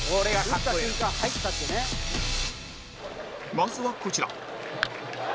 まずはこちら